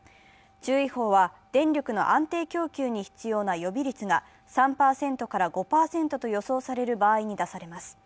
注意報は、電力の安定供給に必要な予備率が３％から５％と予想される場合に出されます。